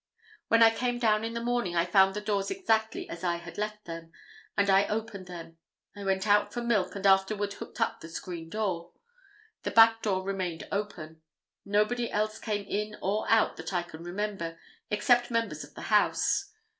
When I came down in the morning I found the doors exactly as I had left them, and I opened them. I went out for milk, and afterward hooked up the screen door. The back door remained open. Nobody else came in or out that I can remember, except members of the house.